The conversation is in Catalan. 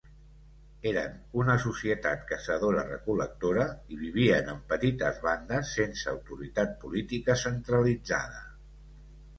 Eren una societat caçadora-recol·lectora i vivien en petites bandes sense autoritat política centralitzada.